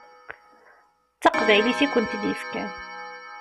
D taqbaylit i kent-id-yefkan.